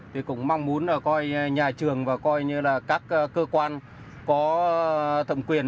thì cũng mong muốn là nhà trường và các cơ quan có thẩm quyền